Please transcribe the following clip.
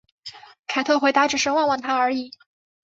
凯特回答只是望住他而已。